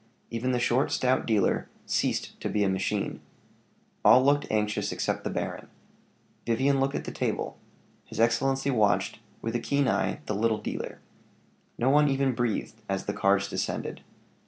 Even the short, stout dealer ceased to be a machine. All looked anxious except the baron. Vivian looked at the table; his excellency watched, with a keen eye, the little dealer. No one even breathed as the cards descended.